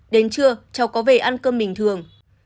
đến trưa cháu có về ăn cơm bình thường